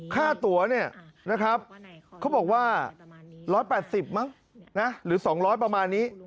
ค่าตัวเนี่ยนะครับเขาบอกว่า๑๘๐มั้งนะหรือ๒๐๐ประมาณนี้